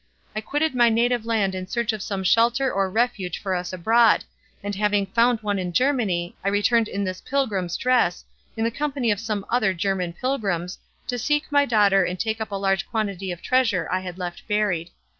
I quitted my native land in search of some shelter or refuge for us abroad, and having found one in Germany I returned in this pilgrim's dress, in the company of some other German pilgrims, to seek my daughter and take up a large quantity of treasure I had left buried.